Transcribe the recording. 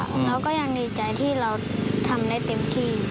เราก็ยังดีใจที่เราทำได้เต็มที่